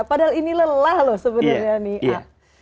padahal ini lelah loh sebenarnya nih